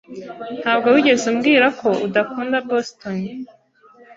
Ntabwo wigeze umbwira ko udakunda Boston.